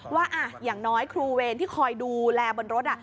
ว่าอย่างน้อยครูเวรที่คอยดูแลบนรถ